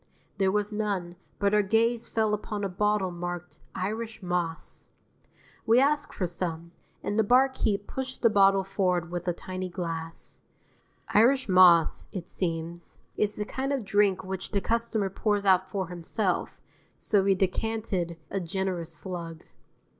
There was none, but our gaze fell upon a bottle marked "Irish Moss." We asked for some, and the barkeep pushed the bottle forward with a tiny glass. Irish Moss, it seems, is the kind of drink which the customer pours out for himself, so we decanted a generous slug.